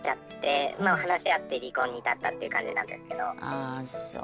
ああそう。